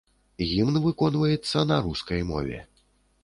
Гімн выконваецца на рускай мове.